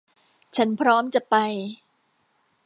ฉันพร้อมจะไป